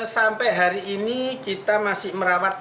sampai hari ini kita masih merawat